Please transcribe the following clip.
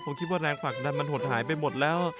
ผมคิดว่าแรงผลักดันมันหดหายไปหมดแล้ว